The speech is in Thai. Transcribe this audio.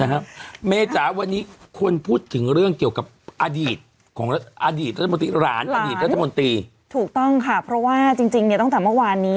นะครับเมจ๋าวันนี้ควรพูดถึงเรื่องเกี่ยวกับอดีตของอดีตรัฐมนตรี